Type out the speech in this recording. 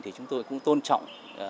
thì chúng tôi cũng tôn trọng